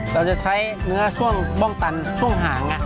เราจะใช้เนื้อช่วงบ้องตันช่วงหาง